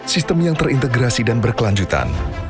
sistem yang terintegrasi dan berkelanjutan